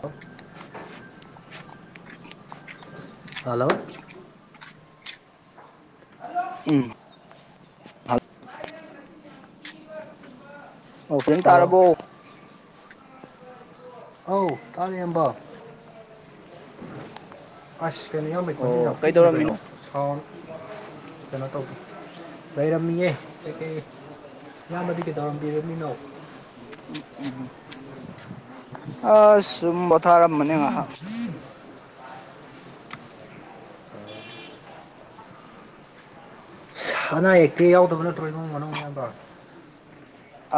ꯑꯣ hello um hello ꯑꯣ ꯐꯦ ꯍꯜꯂꯣ ꯇꯥꯔꯔꯕꯣ ꯑꯧ ꯇꯥꯔꯦꯑꯕ ꯑ ꯀꯩꯅ ꯌꯥꯝ ꯃꯩꯈꯣꯟꯁꯤ ꯌꯥꯝ ꯑꯣ ꯄꯤꯛꯅ ꯀꯩꯅꯣ ꯀꯩꯗꯧꯔꯝꯃꯤꯅꯣ ꯁꯥꯎꯟ ꯀꯩꯅꯣ ꯇꯧ ꯂꯩꯔꯝꯃꯤꯌꯦ ꯀ ꯀꯩ ꯅꯌꯥꯝꯕꯗꯤ ꯀꯩꯗꯥꯝꯕꯤꯔꯃꯤꯅꯣ ꯎꯝ ꯎꯝ ꯎꯝ ꯑ ꯁꯨꯝ ꯄꯣꯊꯥꯔꯝꯕꯅꯤ ꯉꯥꯏꯍꯥꯛ [unintelligible] ꯑꯅꯥ ꯑꯛꯇꯤ ꯌꯥꯎꯗꯕ ꯅꯠꯇ꯭ꯔꯣ ꯏꯃꯨꯡ ꯃꯅꯨꯡ ꯌꯥꯝꯌꯥꯝꯕ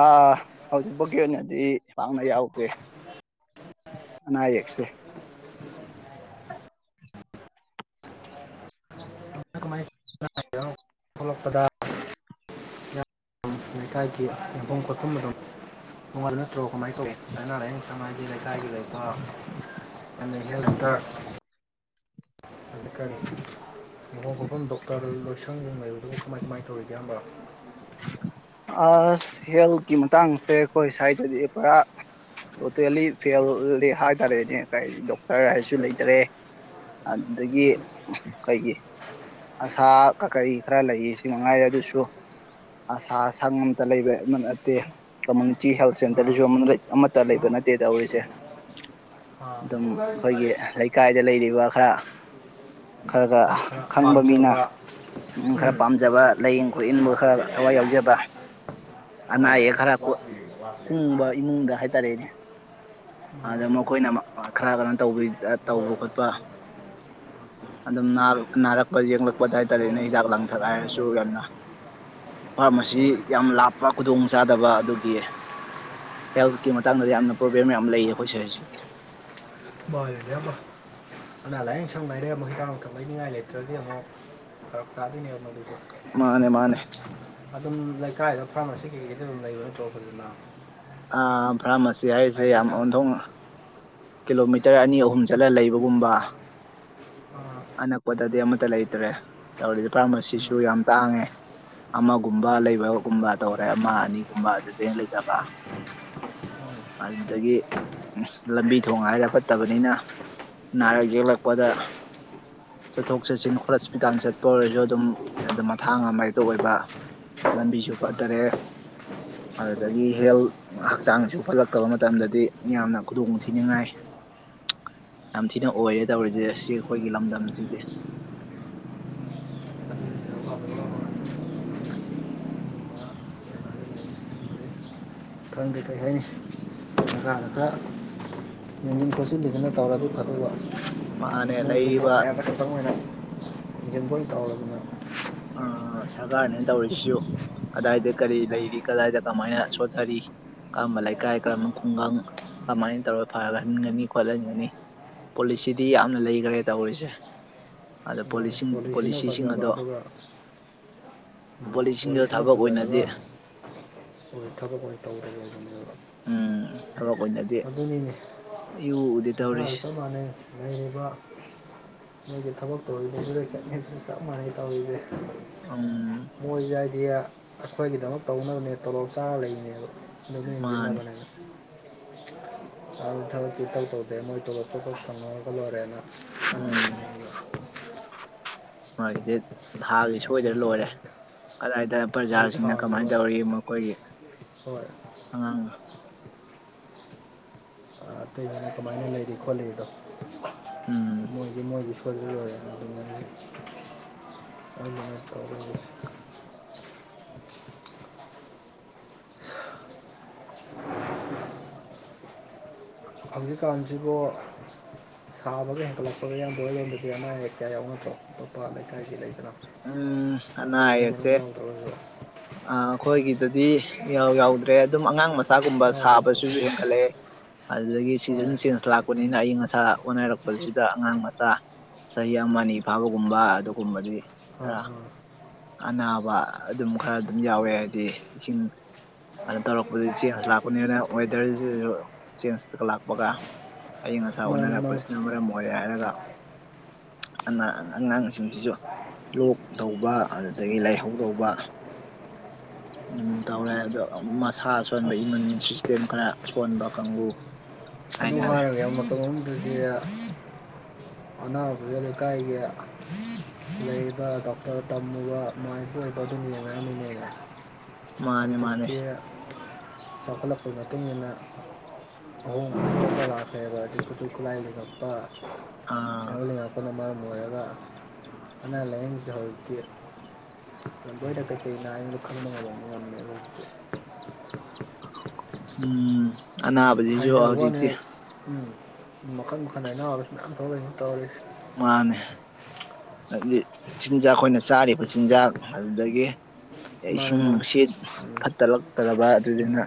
ꯑꯥ ꯍꯧꯖꯤꯛꯐꯥꯎꯒꯤ ꯑꯣꯏꯅꯗꯤ ꯄꯥꯡꯅ ꯌꯥꯎꯗꯦ ꯑꯅꯥꯌꯦꯛꯁꯦ ꯀꯃꯥꯏ [inaudible] ꯀꯃꯥꯏ ꯇꯧꯔꯤꯅꯣ ꯊꯣꯛꯂꯛꯄꯗ ꯏꯌꯥꯝꯕ ꯂꯩꯀꯥꯏꯒꯤ ꯌꯡꯐꯝ ꯈꯣꯠꯐꯝ ꯑꯗꯨꯝ ꯅꯣꯡꯉꯜꯅ ꯠꯇ꯭ꯔꯣ ꯀꯃꯥꯏꯅ ꯇꯧꯋꯤ ꯑꯥꯏꯅꯥ ꯂꯥꯏꯌꯦꯡ ꯁꯪ ꯍꯥꯏꯗꯤ ꯂꯩꯀꯥꯏꯒꯤ ꯂꯩꯕ [inaudible] [inaudible] ꯃꯐꯝ ꯈꯐꯝ ꯗꯣꯛꯇꯔ ꯂꯣꯏꯁꯪꯁꯤꯡ ꯂꯩꯕꯗꯨꯕꯨ ꯀꯃꯥꯏ ꯀꯃꯥꯏꯅ ꯇꯧꯔꯤꯒꯦ ꯍꯕ꯭ꯔꯥ ꯑꯁ ꯍꯦꯜꯊꯀꯤ ꯃꯇꯥꯡꯁꯦ ꯑꯩꯈꯣꯏ ꯁ꯭ꯋꯥꯏꯗꯗꯤ ꯄꯨꯔꯥ ꯇꯣꯇꯦꯜꯂꯤ ꯐꯦꯜꯂꯤ ꯍꯥꯏ ꯇꯔꯦꯅꯦ ꯀ ꯗꯣꯛꯇꯔ ꯍꯥꯏꯔꯁꯨ ꯀ- ꯂꯩꯇꯔꯦ ꯑꯗꯨꯗꯒꯤ ꯀꯩꯒꯤ ꯑꯁꯥ ꯀ ꯀꯔꯤ ꯈꯔ ꯂꯩ ꯁꯤ ꯃꯉꯥꯏꯔꯦ ꯑꯗꯨꯁꯨ ꯑꯁꯥ ꯁꯪ ꯑꯃꯇ ꯂꯩꯕ ꯑꯃ ꯅꯠꯇꯦ ꯀꯝꯃꯨꯅꯤꯇꯤ ꯍꯦꯜꯊ ꯑꯥ ꯁꯦꯟꯇꯔꯗꯨꯁꯨ ꯑꯃꯠꯇ ꯂꯩꯕ ꯅꯠꯇꯦ ꯇꯧꯔꯤꯁꯦ ꯑꯥ ꯑꯗꯨꯝ ꯑꯩꯈꯣꯏꯒꯤ ꯂꯩꯀꯥꯏꯗ ꯂꯩꯔꯤꯕ ꯈꯔ ꯈꯔꯒ ꯑꯩꯈꯣꯏ ꯈꯔ ꯈꯪꯕ ꯃꯤꯅ ꯄꯥꯝꯖꯕ ꯃꯤ ꯈꯔ ꯍꯣꯏ ꯄꯥꯝꯖꯕ ꯂꯥꯏꯌꯦꯡ ꯈꯣꯠꯏꯟꯕꯨ ꯈꯔ ꯊꯋꯥꯏ ꯌꯥꯎꯖꯕ ꯑꯅꯥ ꯑꯌꯦꯛ ꯈꯔ ꯀꯨꯡꯕ ꯏꯃꯨꯡꯗ ꯍꯥꯏꯇꯥꯔꯦꯅꯦ ꯑꯗ ꯃꯈꯣꯏꯅ ꯈꯔ ꯀꯩꯅꯣ ꯇꯧꯕ ꯇꯧꯕ ꯈꯣꯠꯄ ꯑꯗꯨꯝ ꯅꯥꯔꯛꯄ ꯌꯦꯡꯂꯛꯄ ꯑꯗꯨ ꯍꯥꯏ ꯇꯔꯦꯅꯦ ꯍꯤꯗꯥꯛ ꯂꯥꯡꯊꯛ ꯍꯥꯏꯔꯁꯨ ꯌꯥꯝꯅ ꯐꯥꯔꯃꯥꯁꯤ ꯍꯣꯏ ꯌꯥꯝ ꯂꯥꯞꯄ ꯈꯨꯗꯣꯡ ꯆꯥꯗꯕ ꯑꯗꯨꯒꯤ ꯍꯦꯜꯠꯀꯤ ꯃꯇꯥꯡꯗꯗꯤ ꯌꯥꯝꯅ ꯄ꯭ꯔꯣꯕ꯭ꯂꯦꯝ ꯌꯥꯝ ꯂꯩꯌꯦ ꯑꯩꯈꯣꯏ ꯁꯋ꯭ꯥꯏꯁꯤꯗꯤ [unintelligible] ꯑꯅꯥ ꯂꯥꯏꯌꯦꯡ ꯁꯪ ꯂꯩꯔꯦ ꯑꯃꯨꯛ ꯍꯤꯗꯥꯛ ꯂꯥꯡꯊꯛ ꯂꯩꯅꯤꯡꯉꯥꯏ ꯂꯩꯇ꯭ꯔꯗꯤ ꯑꯃꯨꯛ ꯐꯔꯛ ꯇꯥꯗꯣꯏꯅꯦꯕ ꯇꯧꯗꯨꯏꯁꯦ ꯃꯥꯅꯦ ꯃꯥꯅꯦ ꯑꯗꯨꯝ ꯂꯩꯀꯥꯏꯗ ꯐꯥꯔꯃꯥꯁꯤ ꯀꯩꯀꯩꯗꯤ ꯑꯗꯨꯝ ꯂꯩꯕ ꯅꯠꯇ꯭ꯔꯣ ꯐꯖꯅ ꯑ ꯐꯥꯔꯃꯥꯁꯤ ꯍꯥꯏꯔꯤꯁꯦ ꯍꯥꯏꯗꯤ ꯌꯥꯝ ꯑ- ꯑꯣꯟꯊꯣꯛꯅ ꯀꯤꯂꯣꯃꯤꯇꯔ ꯑꯅꯤ ꯑꯍꯨꯝ ꯆꯠꯂ ꯂꯩꯕꯒꯨꯝꯕ ꯑ- ꯑꯅꯛꯄꯗꯗꯤ ꯑꯃꯠꯇ ꯂꯩꯇ꯭ꯔꯦ ꯇꯧꯔꯤꯁꯦ ꯐꯥꯔꯃꯥꯁꯤꯁꯨ ꯌꯥꯝ ꯇꯥꯡꯉꯦ ꯑꯃꯒꯨꯝꯕ ꯂꯩꯕꯒꯨꯝꯕ ꯇꯧꯔꯦ ꯑꯃ ꯑꯅꯤꯒꯨꯝꯕ ꯑꯗꯨꯗꯩꯩ ꯍꯦꯟꯅ ꯂꯩꯇꯕ ꯑꯗꯨꯗꯒꯤ ꯂꯝꯕꯤ ꯊꯣꯡ ꯍꯥꯏꯔ ꯐꯠꯇꯕꯅꯤꯅ ꯅꯥꯔꯛ ꯌꯦꯛꯂꯛꯄꯗ ꯆꯠꯊꯣꯛ ꯆꯠꯁꯤꯟ ꯍꯣꯁꯄꯤꯇꯥꯜ ꯆꯠꯄ ꯑꯣꯏꯔꯁꯨ ꯑꯗꯨꯝ ꯑꯗꯨꯝ ꯃꯊꯥꯡ ꯑꯃꯍꯦꯛꯇ ꯑꯣꯏꯕ ꯂꯝꯕꯤꯁꯨ ꯐꯠꯇꯔꯦ ꯑꯗꯨꯗꯒꯤ ꯍꯦꯜꯊ ꯍꯛꯆꯥꯡꯁꯨ ꯐꯠꯂꯛꯇꯕ ꯃꯇꯝꯗꯗꯤ ꯌꯥꯝꯅ ꯈꯨꯗꯣꯡ ꯊꯤꯅꯤꯡꯉꯥꯏ ꯌꯥꯝ ꯊꯤꯅ ꯑꯣꯏꯔꯦ ꯇꯧꯔꯤꯁꯦ ꯑꯁꯤ ꯑꯩꯈꯣꯏꯒꯤ ꯂꯝꯗꯝꯁꯤꯗꯤ ꯈꯪꯗꯦ ꯀꯔꯤ ꯍꯥꯏꯅꯤ ꯀꯥꯗ ꯈꯔ ꯌꯦꯡꯁꯤꯟ ꯈꯣꯠꯆꯤꯟꯕꯤꯗꯨꯅ ꯇꯧꯔꯗꯤ ꯐꯗꯕ ꯃꯥꯅꯦ ꯃꯣꯏꯁꯨ ꯚꯣꯠ ꯂꯩꯔꯤꯕ ꯃꯌꯥꯗ ꯈꯛꯇꯪ ꯑꯣꯏꯅ ꯌꯦꯕꯨ ꯀꯥꯎꯅ ꯑ ꯁꯔꯀꯥꯔꯅꯦꯅ ꯇꯧꯔꯤꯁꯤꯁꯨ ꯀꯗꯥꯏꯗ ꯀꯔꯤ ꯂꯩꯔꯤ ꯀꯗꯥꯏꯗ ꯀꯃꯥꯏꯅ ꯁꯣꯊꯔꯤ ꯀꯔꯝꯕ ꯂꯩꯀꯥꯏ ꯀꯔꯝꯕ ꯈꯨꯡꯒꯪ ꯀꯃꯥꯏꯅ ꯇꯧꯔꯒ ꯐꯔꯒ ꯍꯟꯒꯅꯤ ꯈꯣꯠꯍꯟꯒꯅꯤ ꯄꯣꯂꯤꯁꯤꯗꯤ ꯌꯥꯝꯅ ꯂꯩꯈ꯭ꯔꯦ ꯇꯧꯔꯤꯁꯦ ꯑꯗꯣ ꯃꯥꯅꯤ ꯄꯣꯂꯤꯁꯤꯅ ꯄꯣꯂꯤꯁꯤꯁꯤꯡ ꯐꯖꯕ ꯑꯗꯣ ꯑꯗꯨꯒ [inaudible] ꯎꯝ ꯄꯣꯂꯤꯁꯤꯡꯗꯣ ꯄꯣꯂꯤꯁꯁꯤꯅ ꯊꯕꯛ ꯐꯖꯔꯒ ꯑꯣꯏꯅꯗꯤ ꯊꯕꯛ ꯑꯣꯏꯅ ꯇꯧꯒ ꯎꯝ ꯊꯕꯛ ꯑꯣꯏꯅꯗꯤ ꯏꯎ ꯎꯗꯦ ꯁꯔꯀꯥꯔ ꯇꯧꯔꯤꯁꯦ ꯆꯞ ꯃꯥꯟꯅꯩ ꯂꯩꯔꯤꯕ ꯃꯣꯏꯒꯤ ꯊꯕꯛ ꯇꯧꯔꯤ ꯑꯗꯨ ꯂꯩ ꯆꯠꯅꯤꯁꯨ ꯆꯞ ꯃꯥꯟꯅꯩ ꯇꯧꯔꯤꯁꯦ ꯎꯝ ꯗꯤ ꯑꯩꯈꯣꯏꯒꯤꯗꯃꯛ ꯇꯧꯅꯕꯅꯦ ꯇꯣꯂꯣꯞ ꯆꯥꯔ ꯂꯩꯅꯦꯕ ꯑꯗꯨꯅ ꯃꯥꯅꯤ ꯍꯤꯡꯁꯤꯟꯅꯕꯅꯦꯕ ꯑ ꯊꯕꯛꯇꯤ ꯀꯧ ꯇꯧꯗꯦ ꯃꯣꯏ ꯇꯣꯂꯣꯞꯇꯣꯈꯛ ꯐꯪꯉꯥ ꯂꯣꯏꯔꯦꯅ [inaudible] ꯎꯝ ꯃꯥꯒꯤꯗꯤ ꯊꯥꯗꯤ ꯁꯣꯏꯗ꯭ꯔ ꯑꯗꯨꯅꯤ ꯂꯣꯏꯔꯦ ꯇꯧꯔꯤꯁꯦ ꯀꯗꯥꯏꯗ ꯃꯣꯏ ꯄ꯭ꯔꯖꯥꯁꯤꯡꯅ ꯊꯥꯒꯤ ꯀꯃꯥꯏꯅ ꯍꯣꯏ ꯇꯧꯔꯤ ꯃꯈꯣꯏꯒꯤ ꯍꯣꯏ ꯑꯉꯥꯡ ꯑꯇꯩ ꯍꯥꯏꯅ ꯀꯃꯥꯏꯅ ꯂꯩꯔꯤ ꯈꯣꯠꯂꯤ ꯑꯗꯣ ꯎꯝ ꯃꯣꯏꯒꯤ ꯃꯣꯏꯒꯤꯁꯨ ꯐꯒꯤ ꯑꯣꯏꯔꯦ ꯑꯗꯨꯃꯥꯏꯅ ꯑꯗꯨꯃꯥꯏꯅ ꯇꯧ ꯍꯧꯖꯤꯛꯀꯥꯟꯁꯤꯕꯨ ꯁꯥꯕꯒ ꯍꯦꯟꯒꯠꯂꯛꯄꯒ ꯌꯥꯕ ꯌꯣꯟꯕꯗꯤ ꯑꯅꯥ ꯑꯌꯦꯛ ꯀꯌꯥ ꯌꯥꯎꯅꯗ꯭ꯔꯣ ꯂꯄꯥ ꯂꯩꯀꯥꯏꯒꯤ ꯂꯩ ꯎꯝ ꯑꯅꯥ ꯑꯌꯦꯛꯁꯦ ꯌꯥꯎꯗ꯭ꯔꯒꯁꯨ ꯑꯩꯈꯣꯏꯒꯤ ꯑꯗꯨꯗꯤ ꯌꯥꯎꯗ꯭ꯔꯦ ꯑꯗꯨꯝ ꯑꯉꯥꯡ ꯑꯁꯆꯥꯒꯨꯝꯕ ꯌꯥꯎꯗ꯭ꯔꯁꯨ ꯁꯥꯕꯁꯨꯁꯨ ꯍꯦꯟꯒꯠꯂꯛꯑꯦ ꯑꯗꯨꯗꯒꯤ ꯍꯣꯏ ꯁꯤꯖꯟ ꯆꯦꯟꯖ ꯂꯥꯛꯄꯅꯤꯅ ꯑꯏꯪ ꯑꯁꯥ ꯑꯣꯅꯔꯛꯄ ꯑꯁꯤꯗ ꯑꯉꯥꯡ ꯃꯆꯥ ꯆꯍꯤ ꯑꯃ ꯑꯅꯤ ꯐꯥꯕꯒꯨꯝꯕ ꯑꯗꯨꯒꯨꯝꯕꯗꯤ ꯑꯥ ꯑ ꯑꯥ ꯀꯅꯥ [unintelligible] ꯑꯗꯨꯝ ꯈꯔ ꯑꯗꯨꯝ ꯌꯥꯎꯋꯦ ꯍꯥꯏꯕꯗꯤ ꯏꯁꯤꯡ ꯑꯗꯨꯅ ꯇꯧꯔꯛꯄꯗꯤ ꯆꯦꯟꯖ ꯂꯥꯛꯄꯅꯤꯅ ꯋꯦꯗꯔꯁꯤꯁꯨ ꯆꯦꯟꯖ ꯂꯥꯛꯄꯒ ꯑꯏꯪ ꯑꯁꯥ ꯃꯥꯅꯤ ꯃꯥꯅꯤ ꯑꯣꯅꯔꯛꯄꯁꯤꯅ ꯃꯔꯝ ꯑꯣꯏꯔꯦ ꯍꯥꯏꯔꯒ ꯑꯉꯥꯡꯁꯤꯡꯁꯤꯁꯨ ꯂꯣꯛ ꯇꯧꯕ ꯑꯗꯨꯗꯒꯤ ꯂꯥꯏꯍꯧ ꯇꯧꯕ ꯎꯝ ꯇꯔꯁ ꯁꯥ ꯁꯣꯟꯕ ꯏꯃꯨꯟ ꯑꯁ ꯁꯤꯁꯇꯦꯝ ꯈꯔ ꯁꯣꯟꯕ ꯀꯥꯡꯕꯨ ꯑꯗꯨ ꯍꯥꯏꯇꯥꯔꯦ ꯍꯥꯏꯔꯒ ꯃꯇꯝꯗꯨꯗ ꯑꯅꯥ ꯂꯩ ꯀꯥꯏꯒ ꯂꯩꯕ ꯗꯣꯛꯇꯔ ꯇꯝꯃꯨꯕ ꯃꯥꯏꯕ ꯑꯣꯏꯕ ꯑꯗꯨꯝ ꯌꯦꯡꯅꯔꯝꯃꯤꯅꯦꯕ ꯃꯥꯅꯦ ꯃꯥꯅꯦ ꯆꯥꯎꯈꯠꯂꯛꯄꯒꯤ ꯃꯇꯨꯡ ꯏꯟꯅ ꯑꯍꯣꯡ ꯄ ꯇꯀꯨ ꯑ ꯍꯞꯄ ꯑꯥ ꯌꯥꯎ ꯌꯥꯄꯅ ꯃꯥꯔ ꯑꯣꯏꯔꯒ ꯑꯅꯥ ꯂꯥꯏꯌꯦꯡꯁꯨ ꯍꯧꯔꯛꯀꯤ ꯕꯣꯏꯛꯇ ꯀꯅꯣ ꯑꯗ ꯈꯪꯕꯉꯥꯏꯕ ꯉꯝꯃꯦ ꯑꯗꯣ ꯎꯝ ꯑꯕꯁꯨ ꯍꯥꯏꯖꯕ ꯋꯥꯅꯦ ꯍꯧꯖꯤꯇꯦ ꯎꯝ ꯃꯈꯟ ꯃꯈꯟ ꯍꯥꯏꯅꯥꯕꯁꯨ ꯃꯌꯥꯝ ꯊꯣꯛꯂꯛꯏ ꯇꯧꯔꯤꯁꯁꯤ ꯃꯥꯅꯦ ꯍꯥꯏꯗꯤ ꯆꯤꯟꯖꯥꯛ ꯑꯩꯈꯣꯏꯅ ꯆꯥꯔꯤꯕ ꯆꯤꯟꯖꯥꯛ ꯑꯗꯨꯗꯒꯤ ꯃꯥꯅꯦ ꯃꯥꯅꯦ ꯏꯁꯤꯡꯁꯤ ꯎꯝ ꯐꯠꯇꯔꯛꯇꯕ ꯑꯗꯨꯗꯨꯅ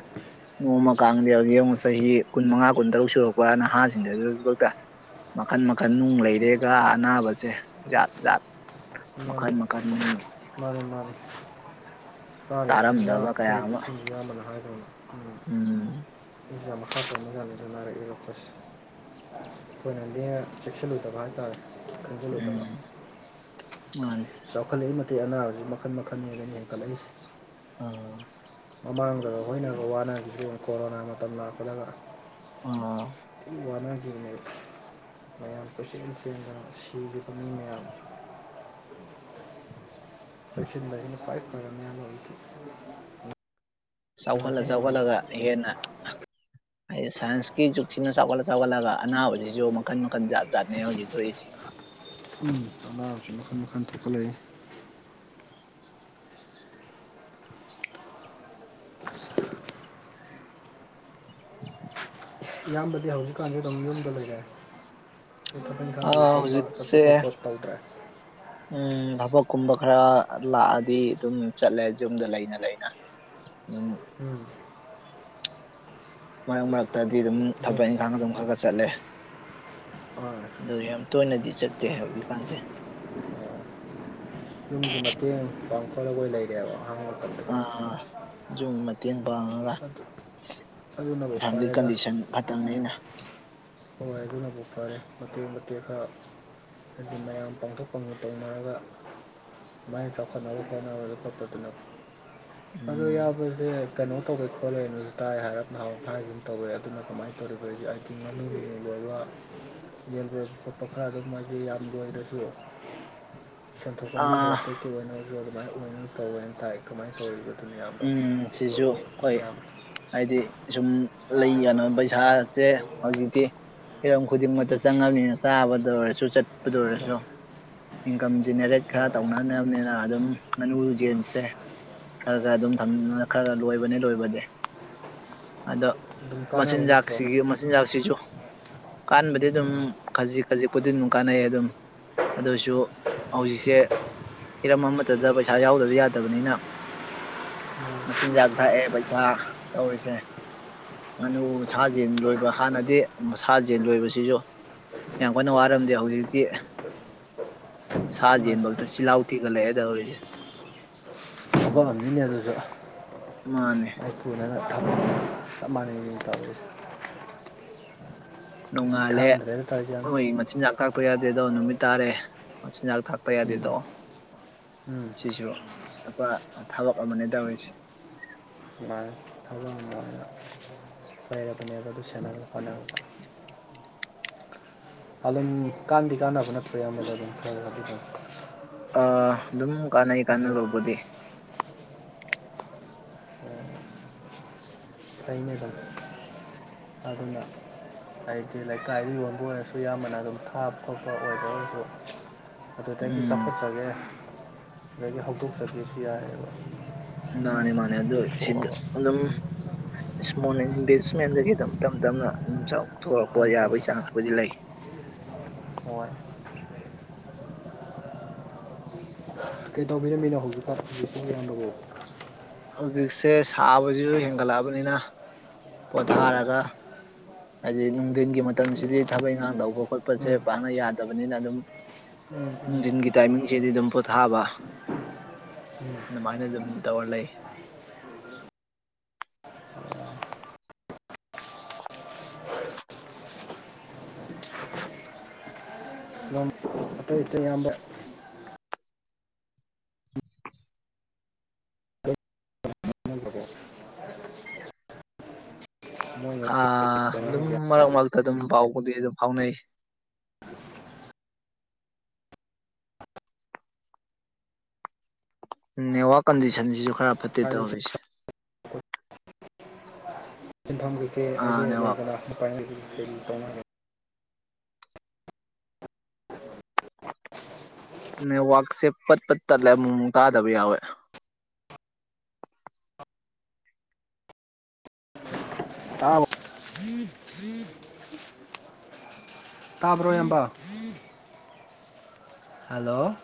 ꯅꯣꯡꯃ ꯀꯥꯡꯗ ꯍꯧꯖꯤꯛ ꯌꯦꯡꯨꯛ ꯆꯍꯤ ꯀꯨꯟ ꯃꯉꯥ ꯀꯨꯟ ꯇꯔꯨꯛ ꯁꯨꯔꯛꯄ ꯅꯍꯥꯁꯤꯡꯗꯁꯨ ꯍꯧꯖꯤꯛ ꯃꯈꯟ ꯃꯈꯟ ꯅꯨꯡ ꯂꯩꯔꯦꯒ ꯑꯅꯥꯕꯁꯦ ꯖꯥꯠ ꯖꯥꯠ ꯃꯈꯜ ꯃꯈꯜ ꯃꯔ ꯆꯥꯔꯤꯕ ꯆꯤꯟꯖꯥꯛ ꯇꯥꯔꯝꯗꯕ ꯀꯌꯥ ꯊꯛꯏꯕ ꯑꯃ ꯆꯤꯟꯖꯥꯛ ꯌꯥꯝ ꯑꯃꯅ ꯍꯥꯏꯗꯅꯤ ꯎꯝ ꯥꯝ ꯍꯥꯥꯄ ꯃꯖꯥꯟꯅꯖꯅꯔ ꯑꯦꯔꯣꯀꯁ ꯍꯈꯣꯏꯅꯗꯤꯅ ꯆꯦꯛꯁꯤꯜꯂꯨꯗꯕ ꯍꯥꯏꯇꯥꯔꯦ ꯈꯪꯖꯤꯜꯂꯨꯗꯕ ꯎꯝ ꯃꯥꯅꯦ ꯆꯥꯎꯈꯠꯂꯛꯏ ꯃꯇꯛ ꯑꯅꯥꯕꯁꯤ ꯃꯈꯜ ꯃꯈꯜꯅꯤꯕꯅ ꯍꯦꯟꯈꯠꯂꯛꯏꯁꯤ ꯑꯣ ꯃꯃꯥꯡꯗꯒ ꯍꯣꯏꯅꯒ ꯋꯥꯅꯒꯤꯁꯨ ꯀꯣꯔꯣꯅꯥ ꯃꯇꯝ ꯂꯥꯛꯄꯗꯒ ꯑ ꯌꯦꯡ ꯃꯌꯥꯝ ꯄꯨꯆꯦꯟ ꯆꯦꯟꯗꯅ ꯁꯤꯈꯤꯕ ꯃꯤ ꯃꯌꯥꯝ [inaudible] ꯆꯦꯛꯁꯤꯟꯗ ꯑꯩꯅ ꯐꯋꯥ ꯆꯥꯎꯈꯠꯂ ꯆꯥꯎꯈꯠꯂꯒ ꯍꯦꯟꯅ ꯍꯥꯏꯗꯤ ꯁꯥꯏꯟꯁꯀꯤ ꯖꯨꯛꯁꯤꯅ ꯆꯥꯎꯒꯠꯂ ꯆꯥꯎꯒꯠꯂꯒ ꯑꯅꯥꯕꯁꯤꯁꯨ ꯃꯈꯟ ꯃꯈꯟ ꯖꯥꯠ ꯆꯥꯠꯅꯩ ꯍꯧꯖꯤꯛ ꯊꯣꯛꯏꯁꯦ ꯇ ꯃꯈ ꯃꯈ ꯊꯀ ꯂꯩ [unintelligible] ꯏꯌꯥꯝꯕꯗꯤ ꯍꯧꯖꯤꯛꯀꯥꯟꯗꯤ ꯑꯗꯨꯝ ꯌꯨꯝꯗ ꯂꯩꯔꯑꯦ ꯑ ꯀꯊꯄꯇꯣꯄ ꯆꯠꯄ ꯍꯧꯖꯤꯛꯁꯦ ꯈꯣꯠꯄ ꯇꯧꯗ꯭ꯔꯦ ꯊꯕꯛ ꯀꯨꯝꯕ ꯈꯔ ꯂꯥꯛꯑꯗꯤ ꯑꯗꯨꯝ ꯆꯠꯂꯦ ꯌꯨꯝꯗ ꯂꯩꯅ ꯂꯩꯅ ꯑꯗꯨꯝ ꯎꯝ ꯃꯔꯛ ꯃꯔꯛꯇꯗꯤ ꯑꯗꯨꯝ ꯊꯕꯛ ꯏꯪꯈꯥꯡ ꯑꯗꯨꯝ ꯈꯔ ꯈ ꯆꯠꯂꯦ ꯍꯣꯏ ꯑꯗꯨ ꯌꯥꯝ ꯇꯣꯏꯅꯗꯤ ꯆꯠꯇꯦ ꯍꯥꯏꯕꯖꯤ ꯀꯥꯟꯁꯦ ꯌꯨꯝꯒꯤ ꯃꯇꯦꯡ ꯄꯥꯡꯈꯂꯒꯣꯏ ꯂꯩꯔꯦꯕ ꯍꯥꯡꯉ ꯑꯥ ꯌꯨꯝ ꯃꯇꯦꯡ ꯄꯥꯡꯉꯒ ꯑꯗꯨꯅꯕꯨ ꯐ ꯐꯔꯦꯗ ꯀꯟꯗꯤꯁꯟ ꯐꯠꯇꯅꯤꯅ ꯍꯣꯏ ꯑꯗꯨꯅꯕꯨꯛ ꯐꯔꯦ ꯃꯇꯦꯛ ꯃꯇꯦꯛ ꯈꯔ ꯑꯗꯨ ꯃꯌꯥꯝ ꯄꯥꯡꯊꯛ ꯐꯪꯅ ꯇꯧꯅꯔꯒ ꯑꯗꯨꯃꯥꯏꯅ ꯆꯥꯎꯈꯠꯅꯕ ꯈꯣꯠꯅꯕꯗ ꯈꯣꯠꯄꯗꯨꯅ ꯑꯣ ꯎꯝ ꯌꯥꯕꯁꯦ ꯀꯩꯅꯣ ꯇꯧꯒꯦ ꯈꯣꯠꯂꯦꯅꯁꯨ ꯇꯥꯏ ꯍꯥꯏꯔꯞ ꯅꯍꯥꯟꯔ ꯐ ꯍꯥꯏꯒ ꯑꯗꯨꯝ ꯇꯧꯋꯦ ꯑꯗꯨꯅ ꯀꯃꯥꯏꯅ ꯇꯧꯔꯤꯕ ꯑꯩ [unintelligible] [inaudible] ꯌꯦꯟꯕꯣꯏꯕ ꯈꯣꯠꯄ ꯈꯔ ꯑꯗꯨꯝ ꯃꯗꯤ ꯌꯥꯝ ꯂꯣꯏꯔꯁꯨ ꯁꯦꯟꯊꯣꯛ ꯂꯝꯕꯤ ꯈꯔ ꯑꯥ ꯇꯦꯛꯇꯤ ꯑꯣꯏꯅꯔꯁꯨ ꯑꯗꯨꯃꯥꯏꯅ ꯑꯣꯏꯅꯁꯨ ꯇꯧꯋꯦꯅ ꯇꯥꯏ ꯀꯃꯥꯏꯅ ꯇꯧꯔꯤꯕꯣ ꯑꯗꯨꯅ ꯌꯥꯝꯌꯥꯝꯕ ꯎꯝ ꯁꯤꯁꯨ ꯑꯩꯈꯣꯏ ꯏꯌꯥꯝꯕ ꯍꯥꯏꯗꯤ ꯁꯨꯝ ꯂꯩ ꯀꯅ ꯄꯩꯁꯥꯁꯦ ꯍꯧꯖꯤꯛꯇꯤ ꯍꯤꯔꯝ ꯈꯨꯗꯤꯡꯃꯛꯇ ꯆꯪꯉꯕꯅꯤꯅ ꯆꯥꯕꯗ ꯑꯣꯏꯔꯁꯨ ꯆꯠꯄꯗ ꯑꯣꯏꯔꯁꯨ ꯏꯟꯀꯝ ꯖꯦꯅꯦꯔꯦꯠ ꯈꯔ ꯇꯧꯅꯅꯕꯅꯤꯅ ꯑꯗꯨꯝ ꯉꯥꯅꯨꯨ ꯌꯦꯟꯁꯦ ꯈꯔ ꯈꯔ ꯑꯗꯨꯝ ꯊꯝꯅ ꯈꯔ ꯂꯣꯏꯕꯅꯦ ꯂꯣꯏꯕꯗꯤ ꯑꯗꯣ ꯑꯗꯨꯝ ꯀꯥꯟꯅꯕ ꯅꯠꯇ꯭ꯔꯣ ꯃꯆꯤꯟꯖꯥꯥꯛꯁꯤꯒꯤ ꯃꯆꯤꯟꯖꯥꯥꯛꯁꯤꯁꯨ ꯀꯥꯟꯕꯗꯤ ꯑꯗꯨꯝ ꯑꯥ ꯈꯖꯤꯛ ꯈꯖꯤꯛꯄꯨꯗꯤ ꯑꯗꯨꯝ ꯀꯥꯟꯅꯩ ꯑꯗꯨꯝ ꯑꯗꯨꯁꯨ ꯍꯧꯖꯤꯛꯁꯦ ꯍꯤꯔꯝ ꯑꯃꯠꯇꯗ ꯄꯩꯁꯥ ꯌꯥꯎꯗꯕ ꯌꯥꯗꯕꯅꯤꯅ ꯃꯆꯤꯟꯖꯥꯛ ꯊꯥꯛꯑꯦ ꯄꯩꯁꯥ ꯇꯧꯔꯤꯁꯦ ꯉꯥꯅꯨ ꯁꯥꯖꯦꯜ ꯂꯣꯏꯕ ꯍꯥꯟꯅꯗꯤ ꯁꯥꯖꯟ ꯂꯣꯏꯕꯁꯤꯁꯨ ꯌꯥꯝ ꯀꯟꯅ ꯋꯥꯔꯝꯗꯦ ꯍꯧꯖꯤꯛꯇꯤ ꯁꯥ ꯃꯥꯅꯤ ꯌꯦꯦꯟꯕꯗ ꯆꯤꯜꯍꯥꯎ ꯊꯤꯒꯠꯂꯛꯦꯗꯧꯔꯤꯁꯦ ꯊꯕꯛꯑꯝꯅꯤꯅꯦ ꯑꯗꯨꯁꯨ ꯃꯥꯅꯦ ꯑꯩ ꯊꯨꯅꯅ ꯊꯕꯛ ꯆꯞ ꯃꯥꯟꯅꯩ ꯌꯦ ꯇꯧꯔꯤꯁꯦ ꯑꯁ ꯅꯣꯡꯉꯥꯜꯂꯦ ꯈꯪꯗ꯭ꯔꯦꯗ ꯇꯧꯔꯤꯁꯦ ꯌꯥꯝ ꯅꯣꯏ ꯃꯆꯤꯟꯖꯥꯛꯥꯛ ꯊꯥꯛꯄ ꯌꯥꯗꯦꯗꯣ ꯅꯨꯃꯤꯠ ꯇꯥꯔꯦ ꯃꯆꯤꯟꯖꯥꯛ ꯊꯥꯛꯇ ꯌꯥꯗꯦꯗꯣ ꯎꯝ ꯁꯤꯁꯨ ꯑꯄꯥ ꯊꯕꯛ ꯑꯃꯅꯦ ꯇꯧꯔꯤꯁꯦ ꯅꯨꯡꯉꯥꯏꯅ ꯊꯧꯖ ꯅꯨꯡꯉꯥꯏꯅ ꯂꯩꯔꯕꯅꯦꯕ ꯑꯗꯨ ꯁꯦꯕ ꯍꯣꯠꯔꯅꯕ [unintelligible] [inaudible] ꯑꯗꯨꯝ ꯀꯥꯟꯅꯗꯤ ꯀꯥꯟꯅꯕ ꯅꯠꯇ꯭ꯔꯦ ꯑꯃꯗ ꯑꯗꯨꯝ ꯈꯔꯗꯤ ꯑꯗꯨꯝ ꯑ ꯑꯗꯨꯝ ꯀꯥꯟꯅꯩ ꯀꯥꯟꯅꯔꯧꯕꯗꯤ ꯇꯩꯅꯕꯕ ꯑꯗꯨꯅ ꯍꯥꯏꯗꯤ ꯂꯩꯀꯥꯏꯗ ꯌꯣꯟꯕ ꯑꯣꯏꯔꯁꯨ ꯑꯌꯥꯝꯕꯅ ꯑꯗꯨꯝ ꯊꯥꯕ ꯈꯣꯠꯄ ꯑꯣꯏꯗꯒꯁꯨ ꯑꯗꯨꯗꯒꯤ ꯎꯝ ꯆꯥꯎꯈꯠꯆꯒꯦ ꯑꯗꯨꯗꯒꯤ ꯍꯧꯗꯣꯛꯆꯒꯦꯁꯨ ꯌꯥꯔꯦꯕ ꯃꯥꯅꯦ ꯃꯥꯅꯦ ꯑꯗꯨ ꯁꯤ ꯑꯗꯨꯝ ꯏꯁꯃꯣꯜ ꯏꯟꯚꯦꯁꯃꯦꯟꯗꯒꯤ ꯑꯗꯨꯝ ꯇꯞ ꯇꯞꯅ ꯑꯗꯨꯨꯝ ꯆꯥꯎꯊꯣꯔꯛꯄ ꯇꯞ ꯇꯞꯅ ꯌꯥꯕꯒꯤ ꯆꯥꯟꯁꯄꯨꯗꯤ ꯂꯩ ꯍꯣꯏ ꯀꯩ ꯇꯧꯕꯕꯤꯔꯝꯃꯤꯅꯣ ꯍꯧꯖꯤꯛꯀꯔ ꯍꯧꯖꯤꯛꯁꯨ ꯏꯔꯥꯡꯗꯧꯕ ꯍꯧꯖꯤꯛꯁꯦ ꯁꯥꯕꯁꯤꯁꯨ ꯍꯦꯟꯒꯠꯂꯛꯑꯕꯅꯤꯅ ꯄꯣꯊꯥꯔꯒ ꯍꯥꯏꯗꯤ ꯅꯨꯡꯊꯤꯟꯜꯒꯤ ꯃꯇꯝꯁꯤꯗꯤ ꯊꯕꯛ ꯏꯪꯈꯥꯡ ꯇꯧꯕ ꯈꯣꯠꯄꯁꯦ ꯄꯥꯛꯅ ꯌꯥꯗꯕꯅꯤꯅ ꯑꯗꯨꯝ ꯖꯤꯟꯒꯤ ꯇꯥꯏꯃꯤꯡꯁꯤꯗꯤ ꯑꯗꯨꯝ ꯄꯣꯊꯥꯕ ꯑꯗꯨꯃꯥꯏꯅ ꯑꯗꯨꯝ ꯇꯧꯔ ꯂꯩ ꯅꯪ ꯑꯇꯩ ꯏꯇꯩ ꯑꯌꯥꯝꯕ ꯍꯣꯠꯅꯕꯗꯣ ꯃꯣꯏꯅ ꯑ ꯑꯗꯨꯝ ꯇꯧꯅꯔꯒꯦ ꯃꯔꯛ ꯃꯔꯛꯇ ꯑꯗꯨꯝ ꯐꯥꯎꯕꯗꯤ ꯑꯗꯨꯝ ꯐꯥꯎꯅꯩ [inaudible] ꯅ ꯋꯥꯔ ꯀꯟꯗꯤꯁꯟꯁꯤꯁꯨ ꯈꯔ ꯐꯠꯇꯦ ꯍꯥꯏꯗꯤ ꯇꯧꯔꯤꯁꯦ ꯁꯤꯟꯐꯝ ꯀꯩꯀꯩ ꯑꯥ ꯑꯩꯒ ꯅꯦꯠꯋꯥꯛ ꯂꯩꯗꯅ ꯅꯨꯄꯥꯥꯏ ꯀꯩ ꯇꯧꯅꯒꯦ ꯅꯦꯠꯋꯥꯛꯁꯦ ꯄꯠ ꯄꯠ ꯇꯠꯂꯦ ꯑꯃꯨꯛꯨꯛ ꯇꯥꯗꯕ ꯌꯥꯎꯋꯦ ꯇꯥꯥꯎ ꯇꯥꯕ꯭ꯔꯣꯏ ꯍꯝꯕ ꯍꯂꯣ